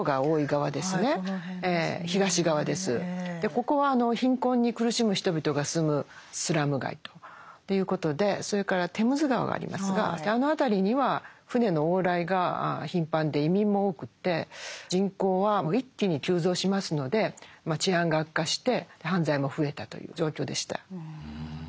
ここは貧困に苦しむ人々が住むスラム街ということでそれからテムズ川がありますがあの辺りには船の往来が頻繁で移民も多くて人口は一気に急増しますので治安が悪化して犯罪も増えたという状況でした。